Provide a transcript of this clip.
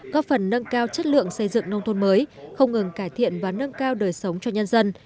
góp phần nâng cao chất lượng xây dựng nông thôn mới không ngừng cải thiện và nâng cao đời sống cho nhân dân